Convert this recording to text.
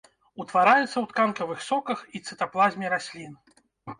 Утвараюцца ў тканкавых соках і цытаплазме раслін.